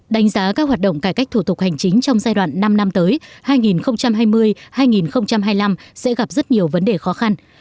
đánh giá các hoạt động cải cách thủ tục hành chính trong giai đoạn năm năm tới hai nghìn hai mươi hai nghìn hai mươi năm sẽ gặp rất nhiều vấn đề khó khăn